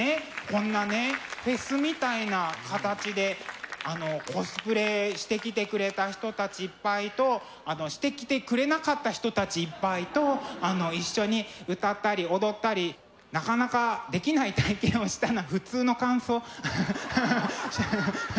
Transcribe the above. こんなねフェスみたいな形でコスプレしてきてくれた人たちいっぱいとしてきてくれなかった人たちいっぱいと一緒に歌ったり踊ったりなかなかできない体験をしたな普通の感想ハハハ。